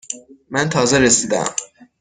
من تازه رسیده ام.